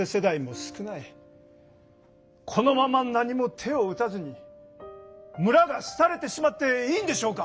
このまま何も手を打たずに村がすたれてしまっていいんでしょうか？